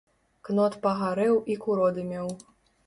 Кнот пагарэў і куродымеў.